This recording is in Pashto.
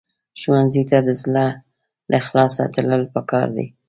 ښوونځی ته د زړه له اخلاصه تلل پکار دي